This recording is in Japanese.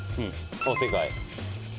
おっ、正解。